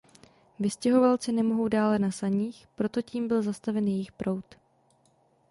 Vystěhovalci nemohou dále na saních, proto tím byl zastaven jejich proud.